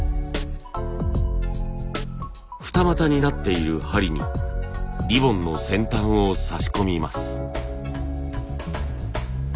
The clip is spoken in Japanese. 二股になっている針にリボンの先端を差し込みます。